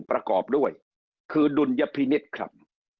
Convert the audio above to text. ประกอบด้วยคือดุลยพินิษฐ์ครับ